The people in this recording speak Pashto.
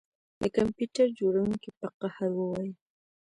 د کمپیوټر جوړونکي په قهر وویل